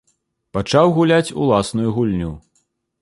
Пачаў гуляць уласную гульню.